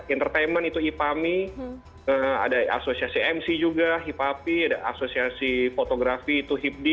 entertainment itu ipami ada asosiasi mc juga hipapi ada asosiasi fotografi itu hipdi